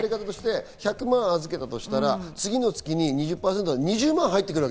１００万預けたとしたら次の月に２０％だから２０万入ってくる。